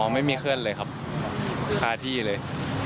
ไม่มีเคลื่อนเลยครับคาที่เลย